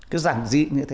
cái giản dị như thế